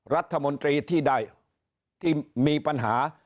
รัฐมนตรีที่ได้ที่มีปัญหา